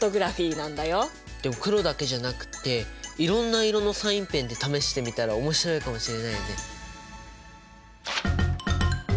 でも黒だけじゃなくっていろんな色のサインペンで試してみたら面白いかもしれないよね。